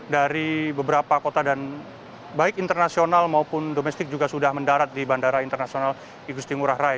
dari beberapa kota dan baik internasional maupun domestik juga sudah mendarat di bandara internasional igusti ngurah rai